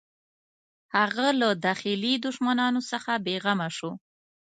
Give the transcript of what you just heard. هغه له داخلي دښمنانو څخه بېغمه شو.